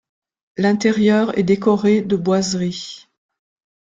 L’intérieur est décoré de boiseries.